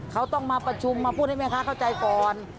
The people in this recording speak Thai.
เขาต้องมาประชุมมาพูดให้แม่ค้าเข้าใจก่อน